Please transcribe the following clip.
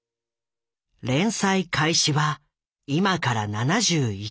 連載開始は今から７１年前。